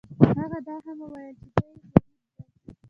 هغه دا هم وویل چې دی یې مرید دی.